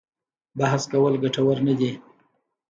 بحث کول ګټور نه دي.